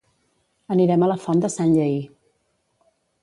anirem a la font de Sant Lleïr